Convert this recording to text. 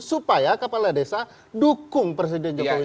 supaya kepala desa dukung presiden jokowi